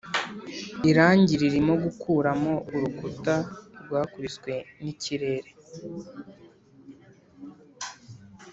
irangi ririmo gukuramo urukuta rwakubiswe nikirere.